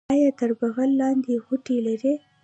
ایا تر بغل لاندې غوټې لرئ؟